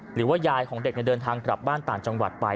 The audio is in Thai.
หรือว่ายายของเด็กเดินทางกลับบ้านต่างจังหวัดไป